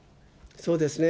そうですね。